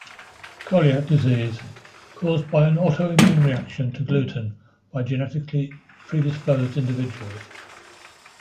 Coeliac disease - caused by an autoimmune reaction to gluten by genetically predisposed individuals.